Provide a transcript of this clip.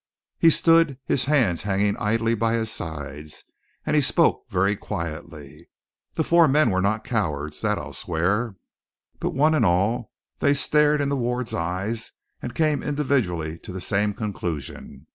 He stood, his hands hanging idly by his sides, and he spoke very quietly. The four men were not cowards, that I'll swear; but one and all they stared into Ward's eyes, and came individually to the same conclusion.